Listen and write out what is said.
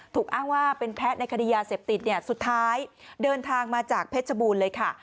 อ้างว่าเป็นแพ้ในคดียาเสพติดเนี่ยสุดท้ายเดินทางมาจากเพชรบูรณ์เลยค่ะ